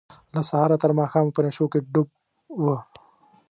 له سهاره تر ماښامه په نشو کې ډوب وه.